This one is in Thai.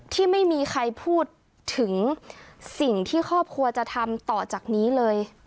ที่ไม่มีใครพูดถึงสิ่งที่ครอบครัวจะทำต่อจากนี้เลย